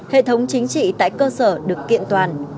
hệ thống chính trị tại cơ sở được kiện toàn